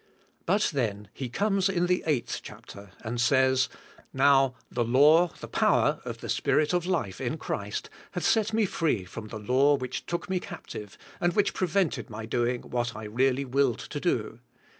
But then he comes in the eig hth chapter and says, "Hoi the law, the power of the Spirit of life in Christ hath set me free from that law which took me captive and which prevented my doing what I really willed to do."